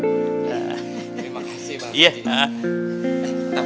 terima kasih bang haji